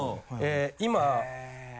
今。